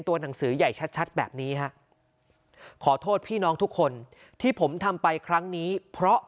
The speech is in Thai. หนังสือใหญ่ชัดแบบนี้ฮะขอโทษพี่น้องทุกคนที่ผมทำไปครั้งนี้เพราะ